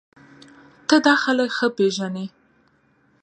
ته دا خلک ښه پېژنې